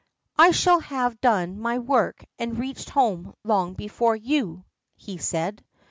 "I shall have done my work and reached home long before you," he said.